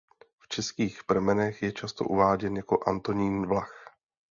V českých pramenech je často uváděn jako "Antonín Vlach".